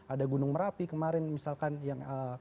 ada gunung merapi kemarin misalkan yang